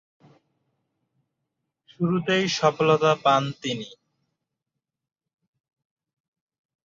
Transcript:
শুরুতেই সফলতা পান তিনি।